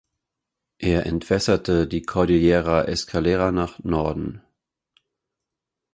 Er entwässert die Cordillera Escalera nach Norden.